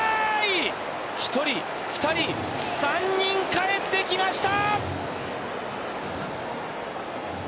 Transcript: １人２人３人帰ってきました。